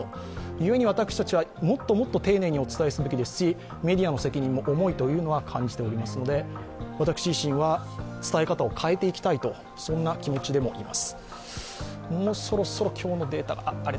ゆえに私たちはもっともっと丁寧にお伝えすべきですしメディアの責任も重いと感じていますので私自身は伝え方を変えていきたいと、そんな気持ちでもいきます。